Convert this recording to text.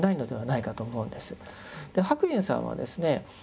白隠さんはですね